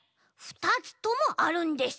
ふたつともあるんです！